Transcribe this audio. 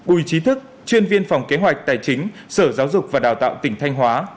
bùi trí thức chuyên viên phòng kế hoạch tài chính sở giáo dục và đào tạo tỉnh thanh hóa